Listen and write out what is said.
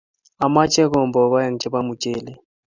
Amoche kombok aeng' chepo mchelek.